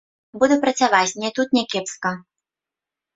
Буду працаваць, мне тут не кепска.